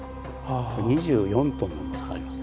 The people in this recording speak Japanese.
２４トンの重さがありますね。